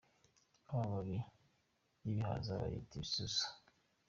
amababi yibihaza bayita ibisusa